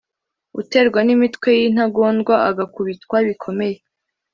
uterwa n’imitwe y’intagondwa agakubitwa bikomeye